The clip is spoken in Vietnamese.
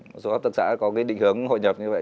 một số hợp tác xã có cái định hướng hội nhập như vậy